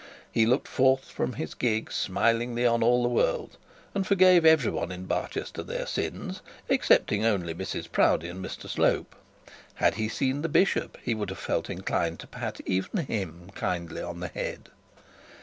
He looked forth from his gig smilingly on all the world, and forgave every one in Barchester their sins, excepting only Mrs Proudie and Mr Slope. Had he seen the bishop, he would have felt inclined to pat even him kindly on the head.